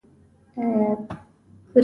غیرت د کرامت نښه ده